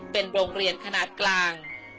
เป็นโรงเรียนขนาดกลาง